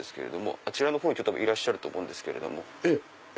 あちらのほうにいらっしゃると思うんですけれども。